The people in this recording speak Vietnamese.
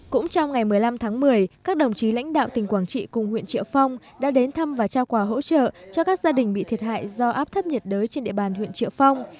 cũng trong ngày một mươi năm tháng một mươi các đồng chí lãnh đạo tỉnh quảng trị cùng huyện triệu phong đã đến thăm và trao quà hỗ trợ cho các gia đình bị thiệt hại do áp thấp nhiệt đới trên địa bàn huyện triệu phong